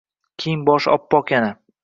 Kiyim-boshi oppoq yana